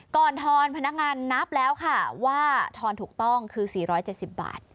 ทอนพนักงานนับแล้วค่ะว่าทอนถูกต้องคือ๔๗๐บาท